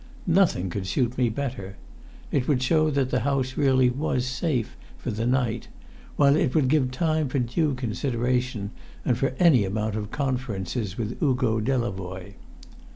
Nothing could suit me better. It would show that the house really was safe for the night, while it would give time for due consideration, and for any amount of conferences with Uvo Delavoye.